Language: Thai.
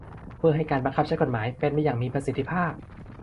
เพื่อให้การบังคับใช้กฎหมายเป็นไปอย่างมีประสิทธิภาพ